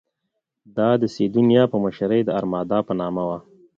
دا د سیدونیا په مشرۍ د ارمادا په نامه وه.